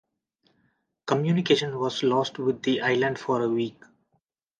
Communication was lost with the island for a week.